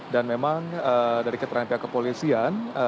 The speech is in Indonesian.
dan memang dari keterampilan kepolisian